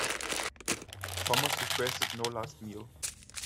Thomas requested no last meal.